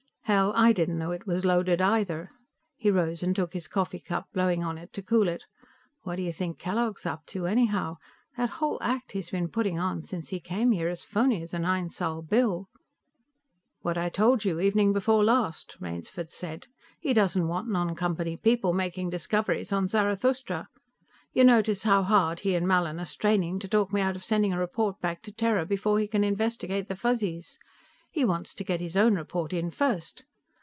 '" "Hell, I didn't know it was loaded, either." He rose and took his coffee cup, blowing on it to cool it. "What do you think Kellogg's up to, anyhow? That whole act he's been putting on since he came here is phony as a nine sol bill." "What I told you, evening before last," Rainsford said. "He doesn't want non Company people making discoveries on Zarathustra. You notice how hard he and Mallin are straining to talk me out of sending a report back to Terra before he can investigate the Fuzzies? He wants to get his own report in first.